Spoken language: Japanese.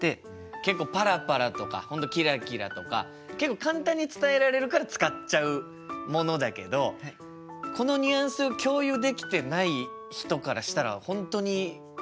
結構パラパラとかキラキラとか結構簡単に伝えられるから使っちゃうものだけどこのニュアンスを共有できてない人からしたら本当に分からないことだもんね。